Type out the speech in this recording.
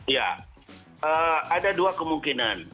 ya ada dua kemungkinan